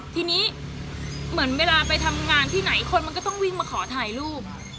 ทีนี้เหมือนเวลาไปทำงานที่ไหนคนมันก็ต้องวิ่งมาขอถ่ายรูป